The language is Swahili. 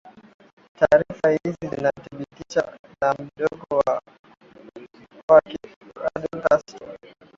Taarifa hizi zilithibitishwa na mdogo wake Raul Castro